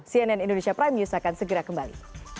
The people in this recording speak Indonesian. cnn indonesia prime news akan segera kembali